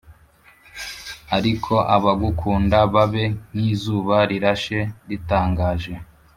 Ariko abagukunda babe nk izuba rirashe ritangaje